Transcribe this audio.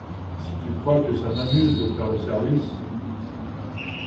Si tu crois que ça m’amuse de faire le service…